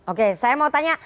oke saya mau tanya